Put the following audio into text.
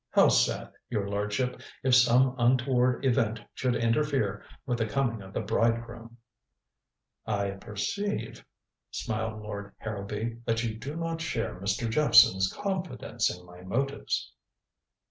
How sad, your lordship, if some untoward event should interfere with the coming of the bridegroom." "I perceive," smiled Lord Harrowby, "that you do not share Mr. Jephson's confidence in my motives."